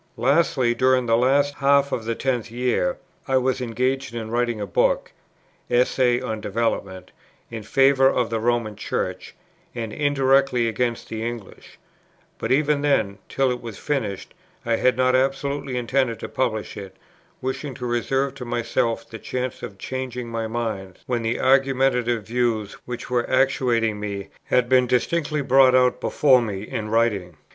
"Lastly, during the last half of that tenth year I was engaged in writing a book (Essay on Development) in favour of the Roman Church, and indirectly against the English; but even then, till it was finished, I had not absolutely intended to publish it, wishing to reserve to myself the chance of changing my mind when the argumentative views which were actuating me had been distinctly brought out before me in writing.